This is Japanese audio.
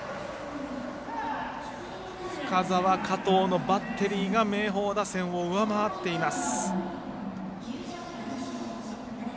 深沢、加藤のバッテリーが明豊打線を上回っています。